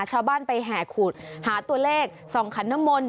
ชาวบ้านไปแห่ขุดหาตัวเลขสองขันนมนต์